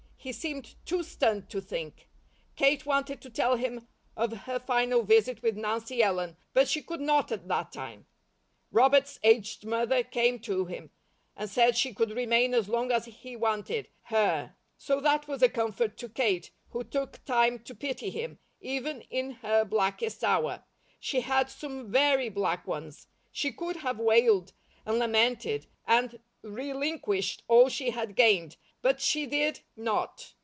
He seemed too stunned to think. Kate wanted to tell him of her final visit with Nancy Ellen, but she could not at that time. Robert's aged mother came to him, and said she could remain as long as he wanted her, so that was a comfort to Kate, who took time to pity him, even in her blackest hour. She had some very black ones. She could have wailed, and lamented, and relinquished all she had gained, but she did not.